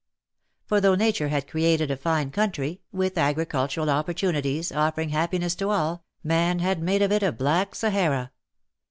For though Nature had created a fine country, with agricultural opportunities offering happiness to all, man had made of it a black Sahara.